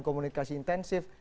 tujuan komunikasi intensif